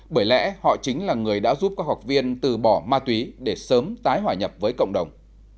bởi lẽ họ chính là người đã giúp các học viên từ bỏ ma túy để sớm tái hòa nhập với cộng đồng